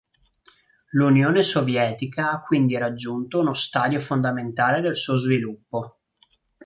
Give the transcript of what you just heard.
L'Unione Sovietica ha quindi raggiunto uno stadio fondamentale del suo sviluppo.